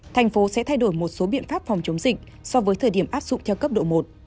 thành phố sẽ thay đổi một số biện pháp phòng chống dịch so với thời điểm áp dụng theo cấp độ một